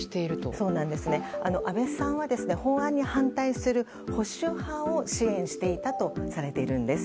安倍さんは法案に反対する保守派を支援していたとされているんです。